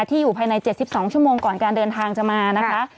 อยู่ภายใน๗๒ชั่วโมงก่อนการเดินทางจะมานะคะ